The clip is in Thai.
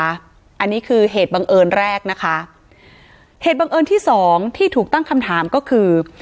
อันนี้คือเหตุบังเอิญแรกนะคะเหตุบังเอิญที่สองที่ถูกตั้งคำถามก็คือ